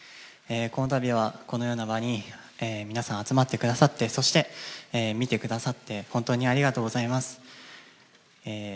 このたびは、このような場に皆さん集まってくださって、そして見てくださって、本当にありがとうございます。